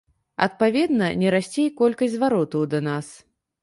Адпаведна, не расце і колькасць зваротаў да нас.